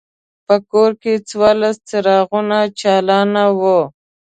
په کور کې څوارلس څراغونه چالان وو.